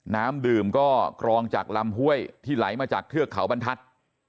น้ำดื่มก็กรองจากลำห้วยที่ไหลมาจากเทือกเขาบรรทัศน์